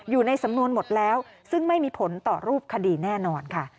อยู่ในสำนวนหมดแล้วซึ่งไม่มีผลต่อรูปคดีแน่นอนค่ะ